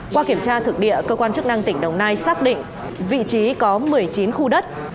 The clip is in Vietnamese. qua kiểm tra thực địa cơ quan chức năng tỉnh đồng nai xác định vị trí có một mươi chín khu đất